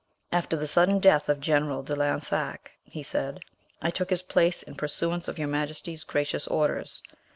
"After the sudden death of general de Lansac," he said, "I took his place in pursuance of your Majesty's gracious orders.